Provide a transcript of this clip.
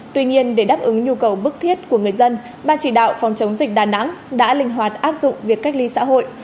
tuy nhiên để đáp ứng nhu cầu bức thiết của người dân ban chỉ đạo phòng chống dịch đà nẵng đã linh hoạt áp dụng việc cách ly xã hội